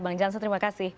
bang jansen terima kasih